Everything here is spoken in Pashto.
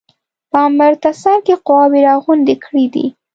په امرتسر کې قواوي را غونډي کړي دي.